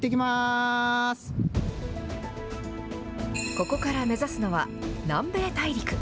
ここから目指すのは、南米大陸。